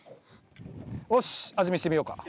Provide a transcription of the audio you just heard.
よし味見してみようか！